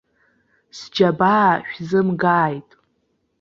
Сџьабаа шәзымгааит!